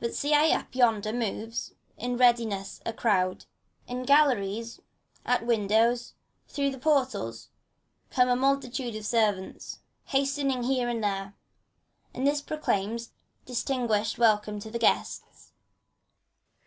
But see I up yonder moves in readiness a crowd : In galleries, at windows, through the portals, comes A multitude of servants, hastening here and there ; And this proclaims distinguished welcome to the guest. CHORUS.